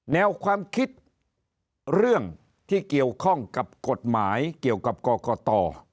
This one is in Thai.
แนวความคิดเรื่องที่เกี่ยวข้องกับกฎหมายเกี่ยวกับกรกต